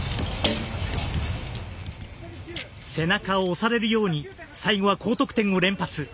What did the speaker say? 背中を押されるように最後は高得点を連発。